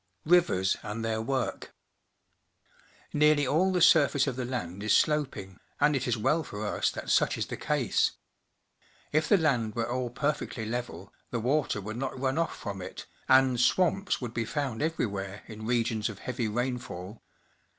Rivers and their Work. — Nearly all the surface of the land is sloping, and it is well for us that such is the case. If the land were all perfecth^ level, the water would not run off from it, and swamps would be found everj ^vhere in regions of heavy rainfall.